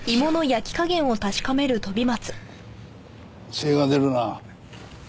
精が出るな。